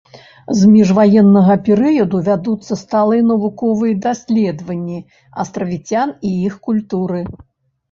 З міжваеннага перыяду вядуцца сталыя навуковыя даследаванні астравіцян і іх культуры.